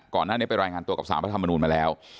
ก่อนหน้านี้ไปรายงานตัวกับสารพระธรรมนูลมาแล้ว